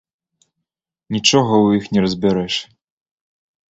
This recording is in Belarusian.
Нічога ў іх не разбярэш.